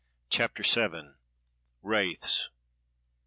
CHAPTER VII. WRAITHS.